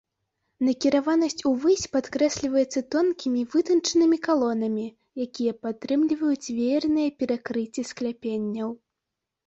Накіраванасць увысь падкрэсліваецца тонкімі вытанчанымі калонамі, якія падтрымліваюць веерныя перакрыцці скляпенняў.